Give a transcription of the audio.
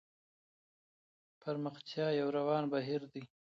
پرمختيا يو روان بهير دی.